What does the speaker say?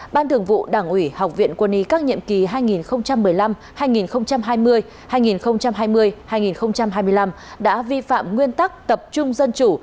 ban thường vụ đảng ủy học viện quân y các nhiệm kỳ hai nghìn một mươi năm hai nghìn hai mươi hai nghìn hai mươi hai nghìn hai mươi năm đã vi phạm nguyên tắc tập trung dân chủ